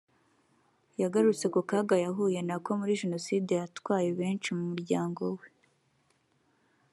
yagarutse ku kaga yahuye nako muri Jenoside yatwaye benshi mu muryango we